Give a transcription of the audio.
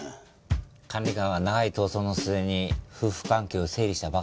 管理官は長い闘争の末に夫婦関係を整理したばかりなんだよ。